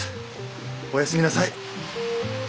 おやすみなさい。